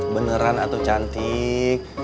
beneran atu cantik